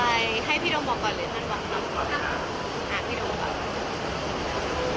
หาพี่โดมบอกก่อน